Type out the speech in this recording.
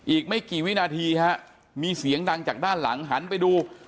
อีกไม่กี่วินาทีฮะมีเสียงดังจากด้านหลังหันไปดู